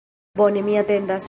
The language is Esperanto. Bone, mi atendas